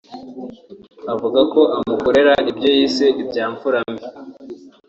avuga ko amukorera ibyo yise ibya mfura mbi